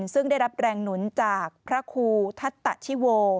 ซึ่งได้รับแรงหนุนจากพระครูทัศตะชิโว